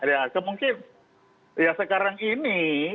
ya kemungkinan ya sekarang ini